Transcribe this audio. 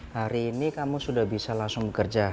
hari ini kamu sudah bisa langsung bekerja